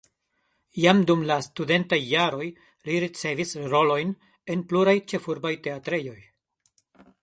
Jam dum la studentaj jaroj li ricevis rolojn en pluraj ĉefurbaj teatrejoj.